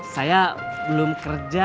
saya belum kerja